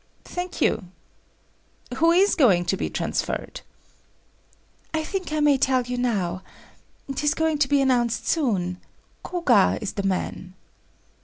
"Thank you. Who is going to be transferred?" "I think I may tell you now; 'tis going to be announced soon. Koga is the man."